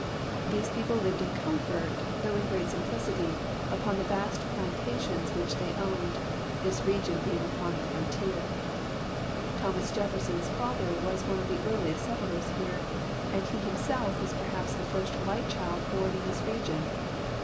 These people lived in comfort, though in great simplicity, upon the vast ])lantations which they owned, this region being upon the very frontier. Thomas Jefferson's father was one of the earlie.st settlers here, and he himself was perhaps the first white child horn in this region.